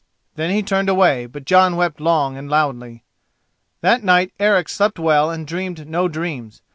Then he turned away, but Jon wept long and loudly. That night Eric slept well and dreamed no dreams.